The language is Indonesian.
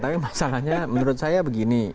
tapi masalahnya menurut saya begini